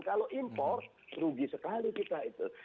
kalau impor rugi sekali kita itu